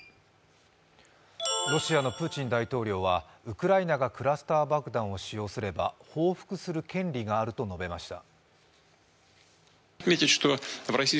ロシアのプーチン大統領はウクライナがクラスター爆弾を使用すれば報復する権利があると述べました。